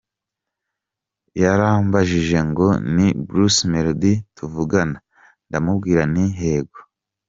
Yarambajije ngo ni Bruce Melody tuvugana? Ndamubwira nti yego.